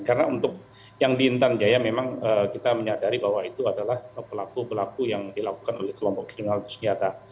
karena untuk yang di intan jaya memang kita menyadari bahwa itu adalah pelaku pelaku yang dilakukan oleh kelompok kriminal dan senjata